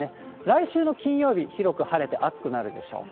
来週の金曜日、広く晴れて暑くなるでしょう。